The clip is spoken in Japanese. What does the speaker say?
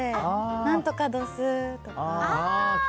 なんとかどすとか。